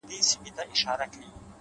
• سیاه پوسي ده، ترې کډي اخلو،